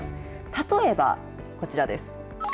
例えば、こちらです。